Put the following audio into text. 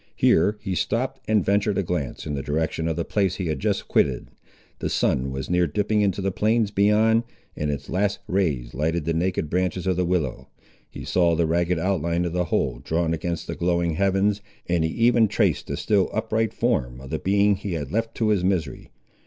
Here he stopped, and ventured a glance in the direction of the place he had just quitted. The sun was near dipping into the plains beyond, and its last rays lighted the naked branches of the willow. He saw the ragged outline of the whole drawn against the glowing heavens, and he even traced the still upright form of the being he had left to his misery.